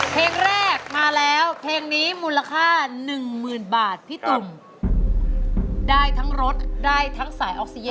เพลงแรกมาแล้วเพลงนี้มูลค่าหนึ่งหมื่นบาทพี่ตุ่มได้ทั้งรถได้ทั้งสายออกซิเย